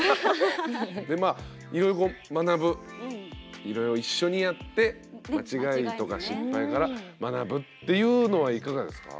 でまあいろいろこう学ぶいろいろ一緒にやって間違いとか失敗から学ぶっていうのはいかがですか？